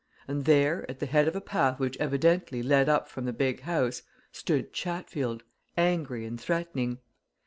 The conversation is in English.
And there, at the head of a path which evidently led up from the big house, stood Chatfield, angry and threatening.